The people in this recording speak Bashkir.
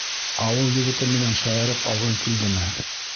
Ауыл егете менән шаярып алғың килдеме?